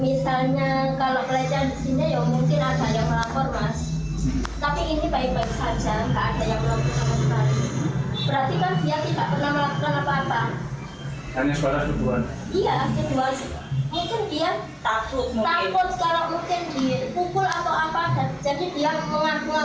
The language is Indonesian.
misalnya kalau pelecehan di sini ya mungkin ada yang melapor mas